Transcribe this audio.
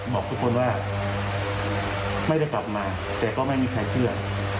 บอกทุกคนว่าไม่ได้กลับมาแต่ก็ไม่มีใครเชื่อ